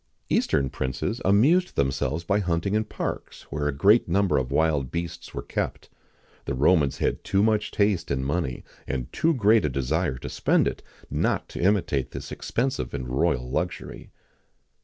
[XIX 31] Eastern princes amused themselves by hunting in parks where a great number of wild beasts were kept.[XIX 32] The Romans had too much taste and money, and too great a desire to spend it, not to imitate this expensive and royal luxury.